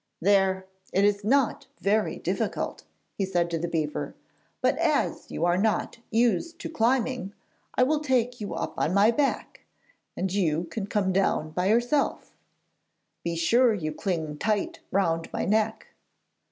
'There, it is not very difficult,' he said to the beaver; 'but as you are not used to climbing I will take you up on my back, and you can come down by yourself. Be sure you cling tight round my neck.'